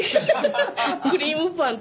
クリームパン。